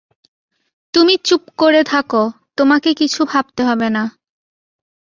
তুমি চুপ করে থাকো, তোমাকে কিছু ভাবতে হবে না।